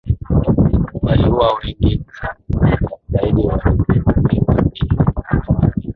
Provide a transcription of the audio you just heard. waliuawa Wengi sana zaidi walidhulumiwa Dini za awali